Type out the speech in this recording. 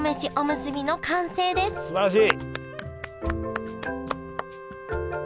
すばらしい！